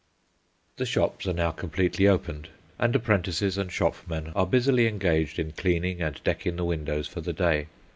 The shops are now completely opened, and apprentices and shop men are busily engaged in cleaning and decking the windows for the day.